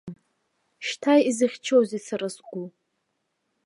Шьҭа изыхьчозеи сара сгәы.